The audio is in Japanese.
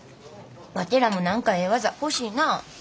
ワテらも何かええ技欲しいなあ。